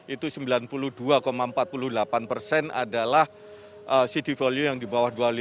itu sembilan puluh dua empat puluh delapan persen adalah city value yang di bawah dua puluh lima